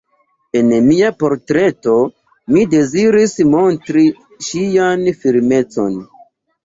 En mia portreto mi deziris montri ŝian firmecon.